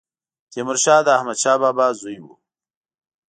تيمورشاه د احمدشاه بابا زوی و